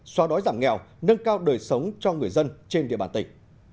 xóa đói giảm nghèo nâng cao đời sống cho người dân trên địa bàn tỉnh